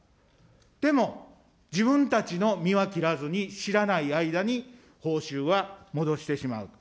でも、自分たちの見は切らずに、知らない間に報酬は戻してしまう。